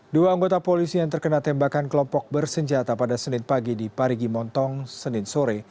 dua anggota polisi yang terkena tembakan kelompok bersenjata pada senin pagi di parigi montong senin sore